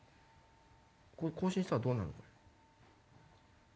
これ更新したらどうなる？